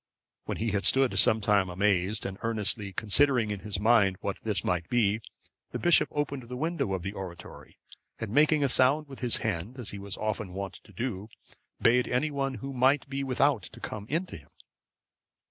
When he had stood some time amazed, and earnestly considering in his mind what this might be, the bishop opened the window of the oratory, and making a sound with his hand, as he was often wont to do, bade anyone who might be without to come in to him.